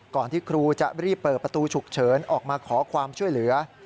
ที่ครูจะรีบเปิดประตูฉุกเฉินออกมาขอความช่วยเหลือ